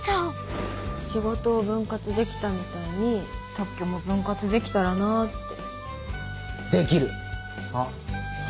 仕事を分割できたみたいに特許も分割できたらなってできる！